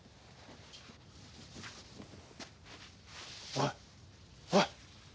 おいおい！